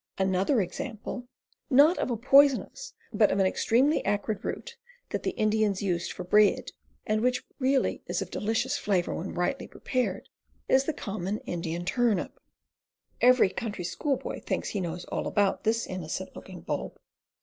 Another example, not of a poisonous but of an ex tremely acrid root that the Indians used for bread, and which really is of delicious flavor when rightly prepared, is the common Indian turnip. Every coun try schoolboy thinks he knows all about this innocent looking bulb.